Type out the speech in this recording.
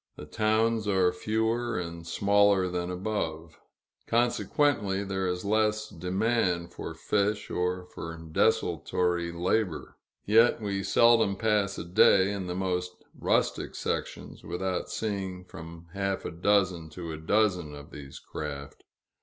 The towns are fewer and smaller than above; consequently there is less demand for fish, or for desultory labor. Yet we seldom pass a day, in the most rustic sections, without seeing from half a dozen to a dozen of these craft.